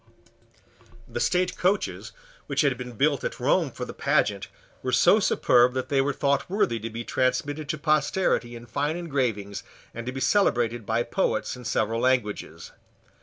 The state coaches, which had been built at Rome for the pageant, were so superb that they were thought worthy to be transmitted to posterity in fine engravings and to be celebrated by poets in several languages.